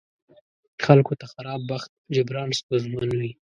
خلکو ته خراب بخت جبران ستونزمن وي.